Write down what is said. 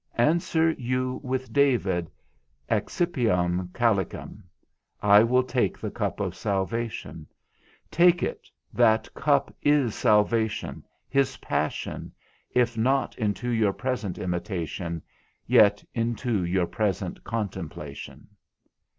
_ Answer you with David, Accipiam calicem, I will take the cup of salvation; take it, that cup is salvation, his passion, if not into your present imitation, yet into your present contemplation.